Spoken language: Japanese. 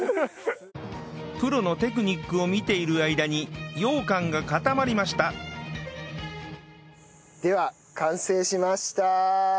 プロのテクニックを見ている間にようかんが固まりましたでは完成しました！